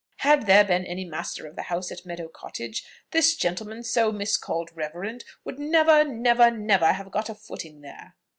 Had there been any master of the House at Meadow Cottage, this gentleman, so miscalled reverend, would never, never, never, have got a footing there."